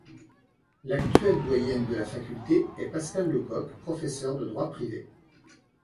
L'actuelle doyenne de la faculté est Pascale Lecocq, professeur de droit privé.